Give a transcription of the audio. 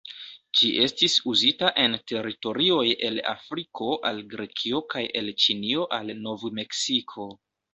Ĝi estis uzita en teritorioj el Afriko al Grekio kaj el Ĉinio al Nov-Meksiko.